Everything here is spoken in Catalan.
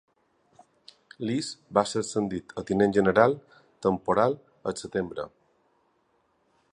Leese va ser ascendit a tinent general temporal el setembre.